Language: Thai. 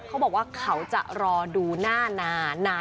เขาบอกว่าเขาจะรอดูหน้านา